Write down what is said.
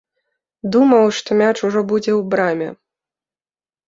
Думаў, што мяч ужо будзе ў браме.